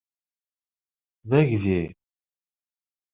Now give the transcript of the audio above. D aydi?